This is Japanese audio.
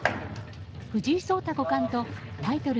藤井聡太五冠とタイトル